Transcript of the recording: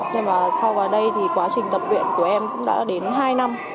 nhưng mà sau vào đây thì quá trình tập luyện của em cũng đã đến hai năm